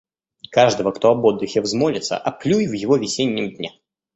Каждого, кто об отдыхе взмолится, оплюй в его весеннем дне!